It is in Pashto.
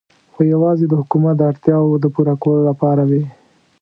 خو یوازې د حکومت د اړتیاوو د پوره کولو لپاره وې.